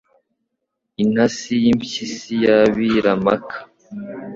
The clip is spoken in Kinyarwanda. Intasi y’impyisi yabira maka